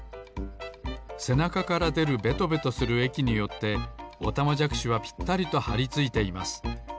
せなかからでるベトベトするえきによってオタマジャクシはぴったりとはりついています。